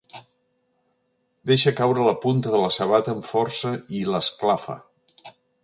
Deixa caure la punta de la sabata amb força i l'esclafa.